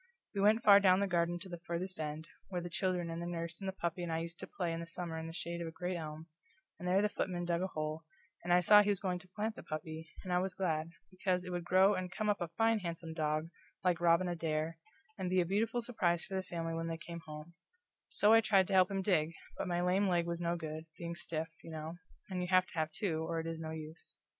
We went far down the garden to the farthest end, where the children and the nurse and the puppy and I used to play in the summer in the shade of a great elm, and there the footman dug a hole, and I saw he was going to plant the puppy, and I was glad, because it would grow and come up a fine handsome dog, like Robin Adair, and be a beautiful surprise for the family when they came home; so I tried to help him dig, but my lame leg was no good, being stiff, you know, and you have to have two, or it is no use.